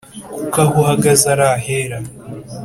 kuko aho uhagaze ari ahera